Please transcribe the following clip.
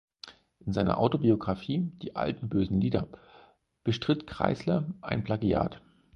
In seiner Autobiografie "Die alten, bösen Lieder" bestritt Kreisler ein Plagiat.